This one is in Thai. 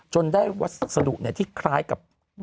ได้วัสดุที่คล้ายกับ